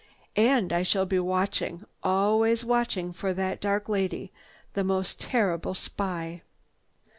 And I shall be watching, always watching for that dark lady, the most terrible spy."